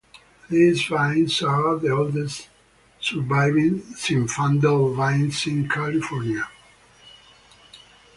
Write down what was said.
These vines are the oldest surviving Zinfandel vines in California.